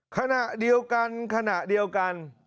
ขณะเดียวกันขณะเดียวกัน